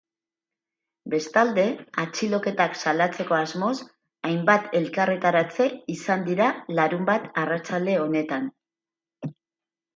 Bestalde, atxiloketak salatzeko asmoz hainbat elkarretaratze izan dira larunbat arratsalde honetan.